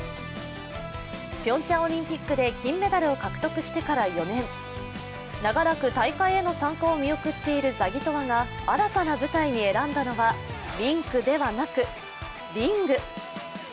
ピョンチャンオリンピックで金メダルを獲得してから４年、長らく大会への参加を見送っているザギトワが新たな舞台に選んだのはリンクではなく、リング。